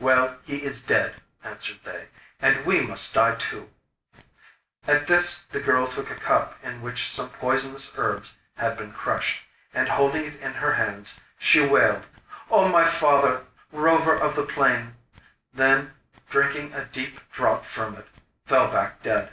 'Well, he is dead,' answered they, 'and we must die too.' At this the girl took a cup in which some poisonous herbs had been crushed, and holding it in her hands, she wailed: 'O my father, Rover of the Plain!' Then drinking a deep draught from it, fell back dead.